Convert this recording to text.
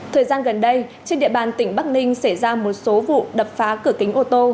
thời gian gần đây trên địa bàn tỉnh bắc ninh xảy ra một số vụ đập phá cửa kính ô tô